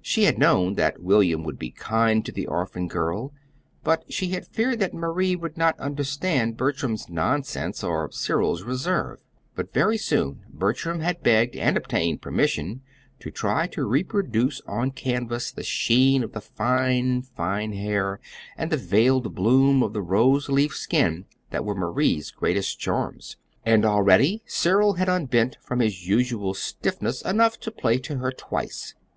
She had known that William would be kind to the orphan girl, but she had feared that Marie would not understand Bertram's nonsense or Cyril's reserve. But very soon Bertram had begged, and obtained, permission to try to reproduce on canvas the sheen of the fine, fair hair, and the veiled bloom of the rose leaf skin that were Marie's greatest charms; and already Cyril had unbent from his usual stiffness enough to play to her twice.